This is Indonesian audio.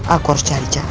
aku harus cari cara